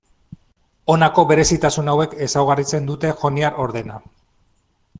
Honako berezitasun hauek ezaugarritzen dute joniar ordena.